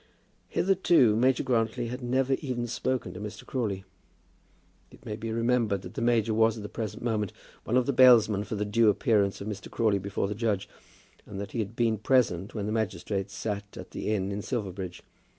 Hitherto Major Grantly had never even spoken to Mr. Crawley. It may be remembered that the major was at the present moment one of the bailsmen for the due appearance of Mr. Crawley before the judge, and that he had been present when the magistrates sat at the inn in Silverbridge.